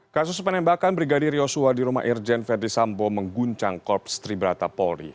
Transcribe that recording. kasus penembakan brigadir yosua di rumah irjen ferdisambo mengguncang korps triberata polri